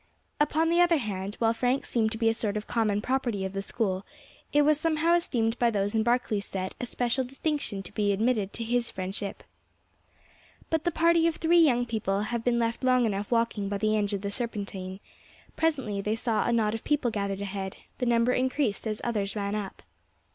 Upon the other hand, while Frank seemed to be a sort of common property of the School, it was somehow esteemed by those in Barkley's set a special distinction to be admitted to his friendship. But the party of three young people have been left long enough walking by the edge of the Serpentine. Presently they saw a knot of people gathered ahead; the number increased as others ran up.